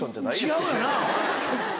違うよな。